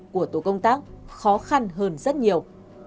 của tổ công tác khó khăn hơn rất nhiều